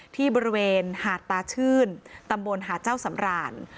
ที่บริเวณหาดตาชื่นตำบลหาดเจ้าสำราน